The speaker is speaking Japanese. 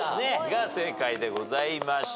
が正解でございました。